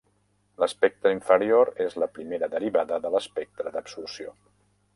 L'espectre inferior és la primera derivada de l'espectre d'absorció.